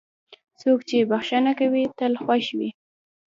څوک چې بښنه کوي، تل خوښ وي.